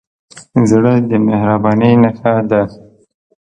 زړه د مهربانۍ نښه ده.